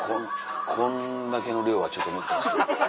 「こんだけの量はちょっと難しい」。